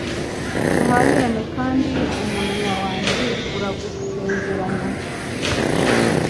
Duharanire kandi umunwa wanjye uragusezeranya